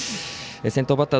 先頭バッター